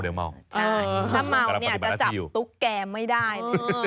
ถ้าเมาเนี่ยจะจับตุ๊กแก่ไม่ได้